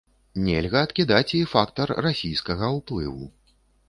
Нельга адкідаць і фактар расійскага ўплыву.